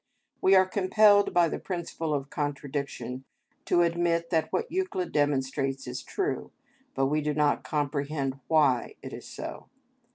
We are compelled by the principle of contradiction to admit that what Euclid demonstrates is true, but we do not comprehend why it is so.